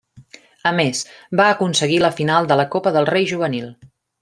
A més, va aconseguir la final de la Copa del Rei Juvenil.